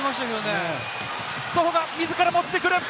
ソホが自ら持っていく。